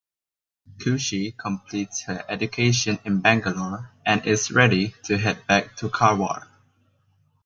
Kushi completes her education in Bangalore and is ready to head back to Karwar.